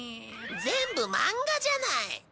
全部漫画じゃない。